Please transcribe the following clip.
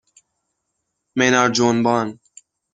منار جنبان